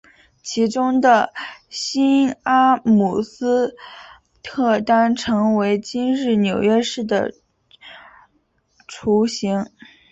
其中的新阿姆斯特丹成为今日纽约市的雏形。